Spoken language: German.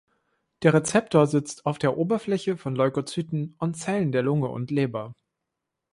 Der Rezeptor sitzt auf der Oberfläche von Leukozyten und Zellen der Lunge und Leber.